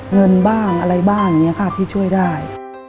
เงินบ้างอะไรบ้างอย่างนี้ค่ะที่ช่วยได้